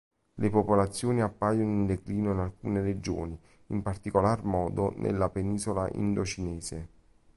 Le popolazioni appaiono in declino in alcune regioni, in particolar modo nella penisola indocinese.